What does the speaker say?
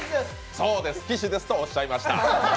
そうです、岸ですとおっしゃいました。